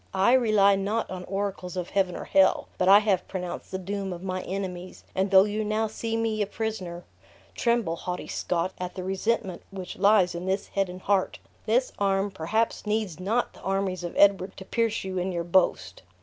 I rely not on oracles of heaven or hell; but I have pronounced the doom of my enemies; and though you now see me a prisoner, tremble, haughty Scot, at the resentment which lies in this head and heart. This arm perhaps needs not the armies of Edward to pierce you in your boast!"